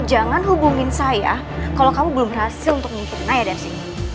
jangan hubungin saya kalau kamu belum berhasil untuk mengikuti naya desi